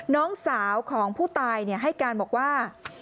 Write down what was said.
น้องสาวของผู้ตายให้การบอกว่า